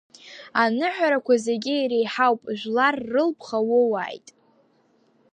Аныҳәарақәа зегьы иреиҳауп жәлар рылԥха уоуааит.